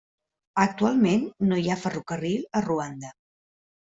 Actualment no hi ha ferrocarril a Ruanda.